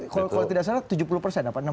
kalau tidak salah tujuh puluh persen